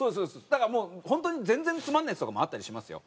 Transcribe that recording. だからもう本当に全然つまんないやつとかもあったりしますよ。